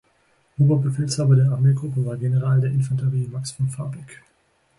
Oberbefehlshaber der Armeegruppe war General der Infanterie Max von Fabeck.